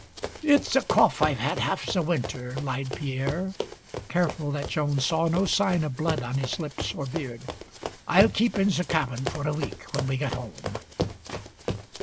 "It's a cough I've had half the winter," lied Pierre, careful that Joan saw no sign of blood on his lips or beard. "I'll keep in the cabin for a week when we get home."